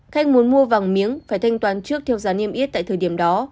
khách muốn mua vàng miếng phải thanh toán trước theo giá niêm yết tại thời điểm đó